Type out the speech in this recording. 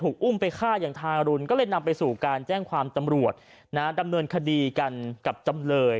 อุ้มไปฆ่าอย่างทารุณก็เลยนำไปสู่การแจ้งความตำรวจดำเนินคดีกันกับจำเลย